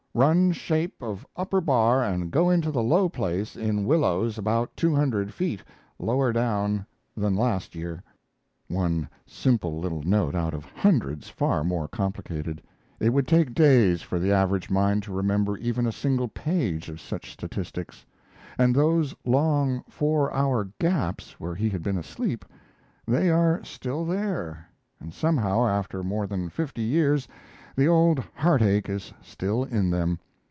] run shape of upper bar and go into the low place in willows about 200(ft.) lower down than last year. One simple little note out of hundreds far more complicated. It would take days for the average mind to remember even a single page of such statistics. And those long four hour gaps where he had been asleep, they are still there, and somehow, after more than fifty years, the old heart ache is still in them.